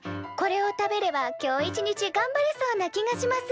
これを食べれば今日一日がんばれそうな気がします。